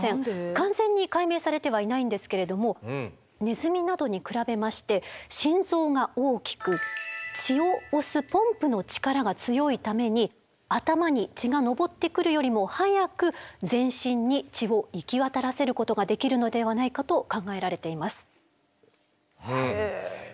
完全に解明されてはいないんですけれどもネズミなどに比べまして心臓が大きく血を押すポンプの力が強いために頭に血が上ってくるよりも早く全身に血を行き渡らせることができるのではないかと考えられています。